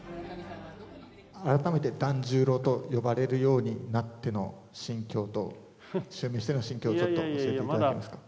改めて團十郎と呼ばれるようになっての心境と、襲名しての心境と教えていただけますか。